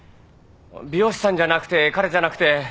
美容師さんじゃなくて彼じゃなくて。